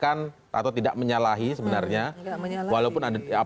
kita semoga mereka bisa menyimpannya